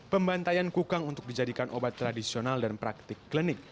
pembantaian kukang untuk dijadikan obat tradisional dan praktik klinik